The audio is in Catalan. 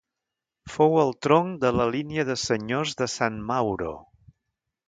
Fou el tronc de la línia de senyors de San Mauro.